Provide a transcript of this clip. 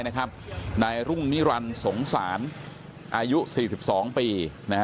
นายรุ่งนิรันดิ์สงสารอายุ๔๒ปี